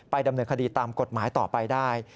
ดำเนินคดีตามกฎหมายต่อไปได้